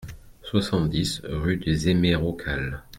soixante-dix rue des Hémérocalles